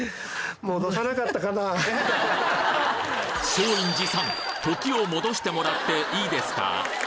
松陰寺さん時を戻してもらっていいですか？